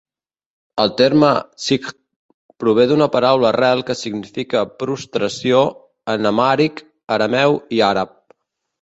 El terme "Sigd" prové d'una paraula arrel que significa prostració en amhàric, arameu i àrab.